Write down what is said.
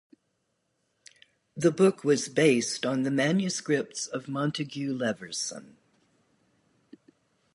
The book was based on the manuscripts of Montague Leverson.